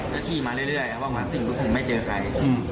ก็ขี่มาเรื่อยว่าสิงห์ภูรีก็คงไม่เจอใคร